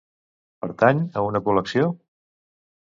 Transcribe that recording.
Pertany a una col·lecció?